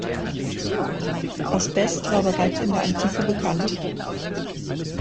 Asbest war bereits in der Antike bekannt.